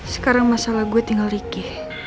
sekarang masalah gue tinggal ricky